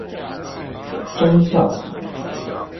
忠孝橋